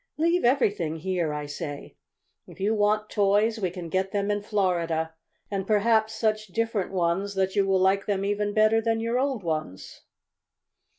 Leave everything here, I say. If you want toys we can get them in Florida, and perhaps such different ones that you will like them even better than your old ones."